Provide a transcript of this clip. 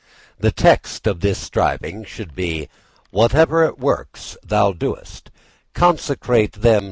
The text of this striving should be, _Whatever works thou doest, consecrate them to Brahma.